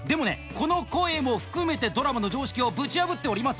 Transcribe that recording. この声も含めてドラマの常識をぶち破っております